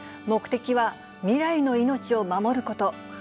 目的は未来の命を守ること。